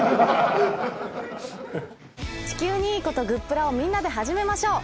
地球にいいことグップラをみんなで始めましょう！